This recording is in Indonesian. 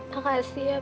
makasih ya pak